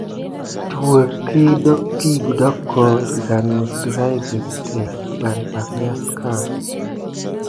Təweke kidoko sigan mis derakite teke depaki vas ka.